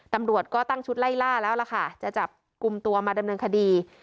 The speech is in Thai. ตำรวจก็ตั้งชุดไล่ล่าแล้วล่ะค่ะจะจับกลุ่มตัวมาดำเนินคดี